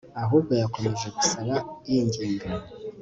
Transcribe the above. ahubwo yakomeje gusaba yinginga